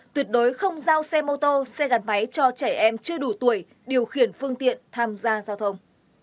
tuyệt đối không giao xe mô tô xe gắn máy cho trẻ em chưa đủ tuổi điều khiển phương tiện tham gia giao thông